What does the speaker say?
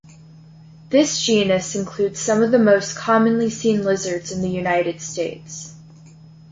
This genus includes some of the most commonly seen lizards in the United States.